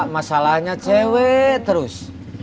masalahnya cewek terus